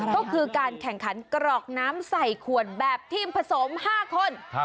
ก็คือการแข่งขันกรอกน้ำใส่ขวนแบบทีมผสม๕คน